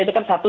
itu kan satu